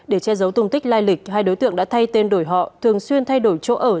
để che giấu tung tích lai lịch hai đối tượng đã thay tên đổi họ thường xuyên thay đổi chỗ ở